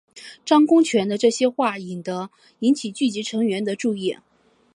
张公权的这些话引起聚餐成员的注意。